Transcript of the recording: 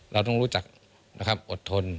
เราต้องรู้จักอดทน